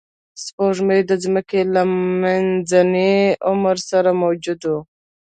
سپوږمۍ د ځمکې له منځني عمر سره موجوده وه